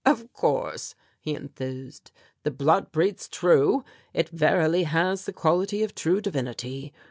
"Of course," he enthused; "the blood breeds true. It verily has the quality of true divinity.